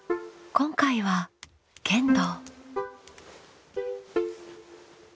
今回は「剣道」。